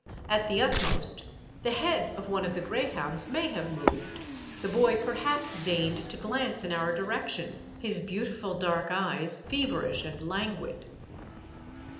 At the utmost, the head of one of the grey hounds may have moved, the boy perhaps deigned to glance in our direction, his beautiful dark eyes feverish and languid.